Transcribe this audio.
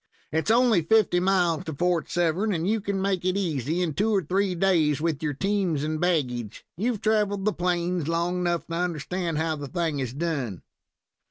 It's only fifty miles to Fort Severn, and you can make it easy in two or three days with your teams and baggage. You've traveled the plains long 'nough to understand how the thing is done."